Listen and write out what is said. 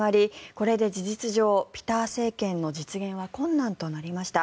これで事実上ピター政権の実現は困難となりました。